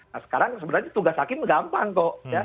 nah sekarang sebenarnya tugas hakim gampang kok